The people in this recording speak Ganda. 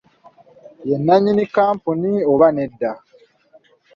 Ye nnannyini kkampuni oba nedda?